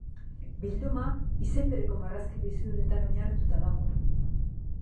Bilduma izen bereko marrazki bizidunetan oinarrituta dago.